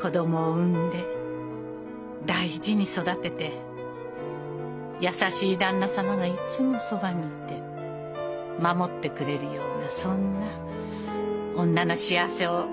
子供を産んで大事に育ててやさしい旦那様がいつもそばにいて守ってくれるようなそんな女の幸せを味わってほしいんです。